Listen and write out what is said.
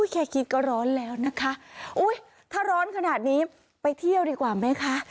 แค่คิดก็ร้อนแล้วนะคะอุ้ยถ้าร้อนขนาดนี้ไปเที่ยวดีกว่าไหมคะ